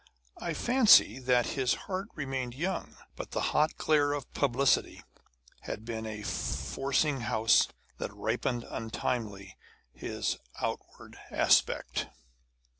I fancy that his heart remained young, but the hot glare of publicity had been a forcing house that ripened untimely his outward aspect.